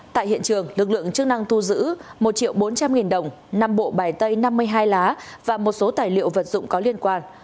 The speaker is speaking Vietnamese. tại hiện trường lực lượng chức năng thu giữ một triệu bốn trăm linh nghìn đồng năm bộ bài tay năm mươi hai lá và một số tài liệu vật dụng có liên quan